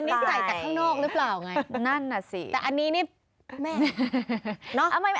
อันนี้ใส่แต่ข้างนอกรึเปล่าไงแต่อันนี้นี่แม่น่ะสิ